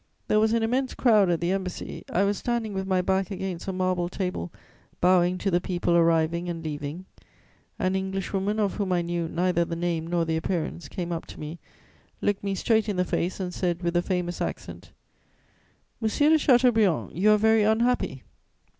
There was an immense crowd at the Embassy; I was standing with my back against a marble table, bowing to the people arriving and leaving. An Englishwoman, of whom I knew neither the name nor the appearance, came up to me, looked me straight in the face and said, with the famous accent: "'Monsieur de Chateaubriand, you are very unhappy!'